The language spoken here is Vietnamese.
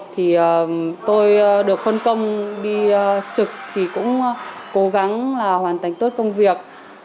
thì tôi được phân công đi trực thì cũng cố gắng là hoàn thành tốt công việc